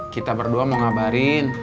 kita berdua mau ngabarin